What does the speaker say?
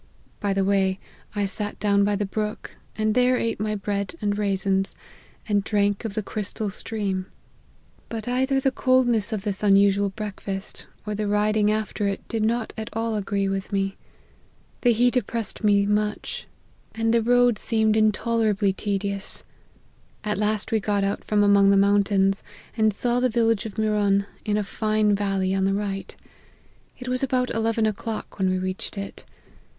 By the way, I sat down by the brook, and there ate my bread and raisins, and drank of the crystal stream ; but either the coldness of this unusual breakfast, or the riding after it, did not at all agree with me. The heat oppress ' cd me much, and the road seemed intolerably 178 LIFE OF HENRY MARTYN. tedious ; at last we got out from among the moun tains, and saw the village of Murun, in a fine valley on the right. It was about eleven o'clock when we reached it.